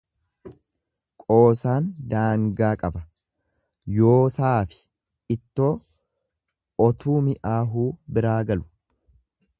Qoosaan daangaa qaba, yoosaafi ittoo otuu mi'aahuu biraa galu.